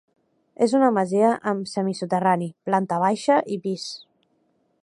És una masia amb semisoterrani, planta baixa i pis.